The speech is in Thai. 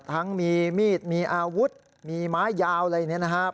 ทั้งมีมีดมีอาวุธมีไม้ยาวอะไรเนี่ยนะครับ